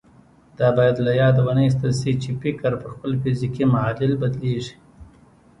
دا بايد له ياده ونه ايستل شي چې فکر پر خپل فزيکي معادل بدلېږي.